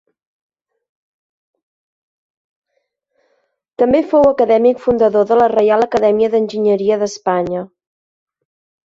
També fou acadèmic fundador de la Reial Acadèmia d'Enginyeria d'Espanya.